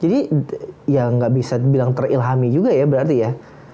jadi ya gak bisa bilang terilhami juga ya berarti ya